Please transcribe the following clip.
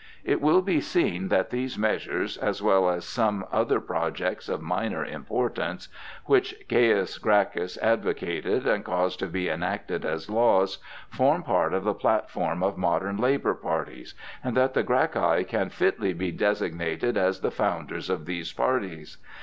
It will be seen that these measures, as well as some other projects of minor importance which Caius Gracchus advocated and caused to be enacted as laws, form part of the platform of modern labor parties, and that the Gracchi can fitly be designated as the founders of these parties.